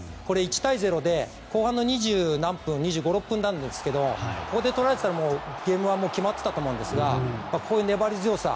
１対０で後半の２５２６分なんですけどここでとられてたらゲームは決まってたと思うんですがこういう粘り強さ。